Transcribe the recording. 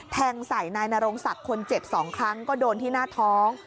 แทงใส่นายนรงศักดิ์คนเจ็บ๒ครั้งก็โดนที่หน้าท้อง